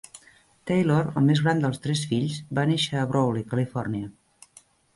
Taylor, el més gran dels tres fills, va néixer a Brawley, Califòrnia.